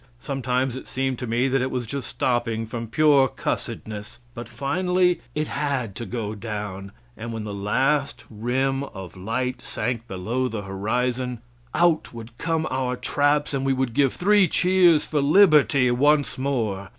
Sometimes it seemed to me that it was just stopping from pure cussedness; but finally it had to go down, and when the last rim of light sank below the horizon, out would come our traps, and we would give three cheers for liberty once more.